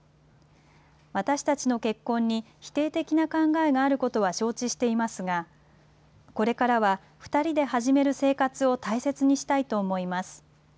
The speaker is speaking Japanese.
私たちの結婚に、否定的な考えがあることは承知していますが、これからは２人で始める生活を大切にしたいと思います。